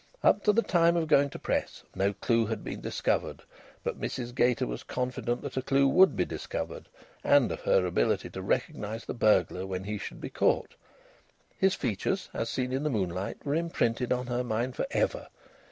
Up to the time of going to press, no clue had been discovered, but Mrs Gater was confident that a clue would be discovered, and of her ability to recognise the burglar when he should be caught. His features, as seen in the moonlight, were imprinted on her mind for ever.